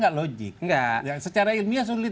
tidak logik secara ilmiah sulit